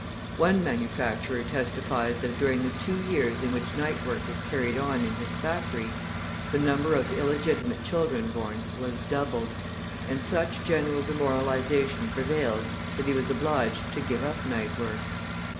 One manufacturer testifies {152a} that during the two years in which night work was carried on in his factory, the number of illegitimate children born was doubled, and such general demoralisation prevailed that he was obliged to give up night work.